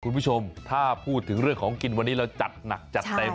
คุณผู้ชมถ้าพูดถึงเรื่องของกินวันนี้เราจัดหนักจัดเต็ม